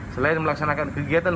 selain melaksanakan kegiatan